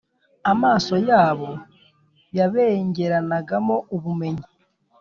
amaso yabo yabengeranagamo ubumenyi